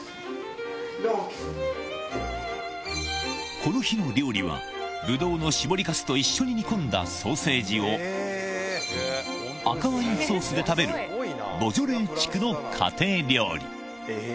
この日の料理は、ブドウの搾りかすと一緒に煮込んだソーセージを、赤ワインソースで食べる、ボジョレー地区の家庭料理。